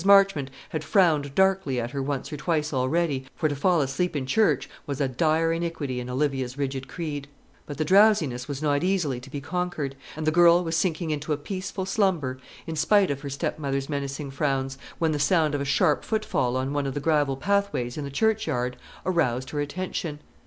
Marchmont had frowned darkly at her once or twice already, for to fall asleep in church was a dire iniquity in Olivia's rigid creed; but the drowsiness was not easily to be conquered, and the girl was sinking into a peaceful slumber in spite of her stepmother's menacing frowns, when the sound of a sharp footfall on one of the gravel pathways in the churchyard aroused her attention.